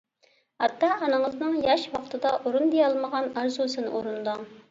ئاتا-ئانىڭىزنىڭ ياش ۋاقتىدا ئورۇندىيالمىغان ئارزۇسىنى ئورۇنداڭ.